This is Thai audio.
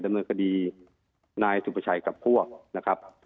ดำเนินคดีนายสุประชัยกับพวกนะครับ